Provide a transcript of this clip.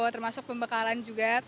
termasuk pembekalan juga